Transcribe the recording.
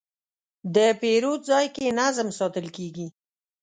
د پیرود ځای کې نظم ساتل کېږي.